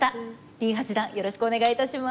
林八段よろしくお願いいたします。